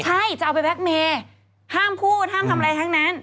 ใช่จะเอาไปแล็กเมย์ห้ามพูดห้ามทำอะไรทั้งนั้น